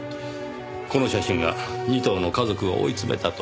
この写真が仁藤の家族を追い詰めたと。